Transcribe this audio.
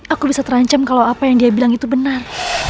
aku bisa terancam kalau apa yang dia bilang itu benar